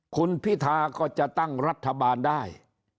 คุณพิธาก็จะตั้งรัฐบาลได้